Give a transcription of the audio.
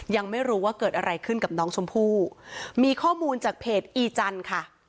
ยังไม่รู้ว่าเกิดอะไรขึ้นกับน้องชมพู่มีข้อมูลจากเพจอีจันทร์ค่ะ